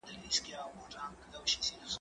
که وخت وي نان خورم